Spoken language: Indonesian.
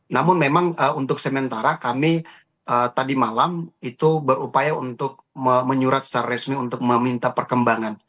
namun memang untuk sementara kami tadi malam itu berupaya untuk menyurat secara resmi untuk meminta perkembangan